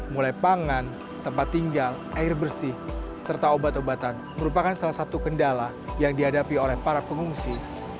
mulai pangan tempat tinggal air bersih serta obat obatan merupakan salah satu kendala yang dihadapi oleh para pengungsi